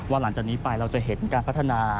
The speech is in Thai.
หลังจากนี้ไปเราจะเห็นการพัฒนา